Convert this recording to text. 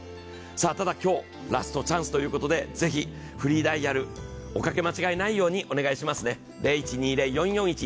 ただ、今日ラストチャンスということで、ぜひ、フリーダイヤルおかけ間違えないようにお願いしますね。